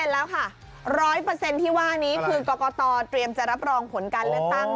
แล้วค่ะ๑๐๐ที่ว่านี้คือกรกตเตรียมจะรับรองผลการเลือกตั้ง